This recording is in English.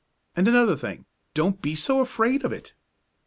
And another thing, don't be so afraid of it.